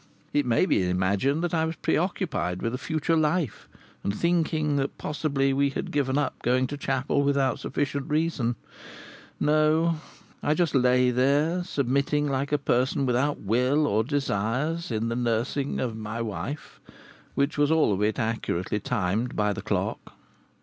It may be imagined that I was preoccupied with a future life, and thinking that possibly we had given up going to chapel without sufficient reason. No! I just lay there, submitting like a person without will or desires to the nursing of my wife, which was all of it accurately timed by the clock.